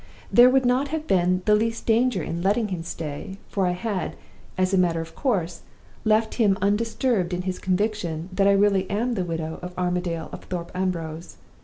There would not have been the least danger in letting him stay, for I had, as a matter of course, left him undisturbed in his conviction that I really am the widow of Armadale of Thorpe Ambrose.